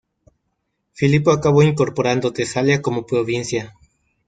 Filipo acabó incorporando Tesalia como provincia.